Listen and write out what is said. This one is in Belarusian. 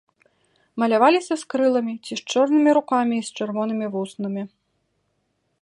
Маляваліся з крыламі ці з чорнымі рукамі і з чырвонымі вуснамі.